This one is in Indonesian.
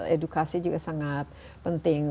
edukasi juga sangat penting